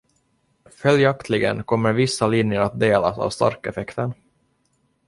Följaktligen kommer vissa linjer att delas av Stark-effekten.